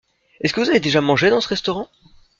Est-ce que vous avez déjà mangé dans ce restaurant ?